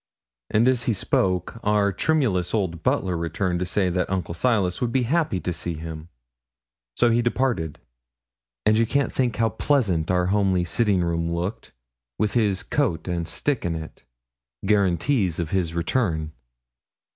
And as he spoke our tremulous old butler returned to say that Uncle Silas would be happy to see him. So he departed; and you can't think how pleasant our homely sitting room looked with his coat and stick in it guarantees of his return.